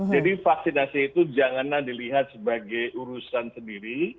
jadi vaksinasi itu janganlah dilihat sebagai urusan sendiri